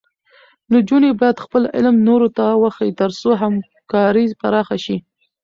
نجونې باید خپل علم نورو ته وښيي، تر څو همکاري پراخه شي.